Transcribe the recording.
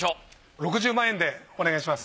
６０万円でお願いします。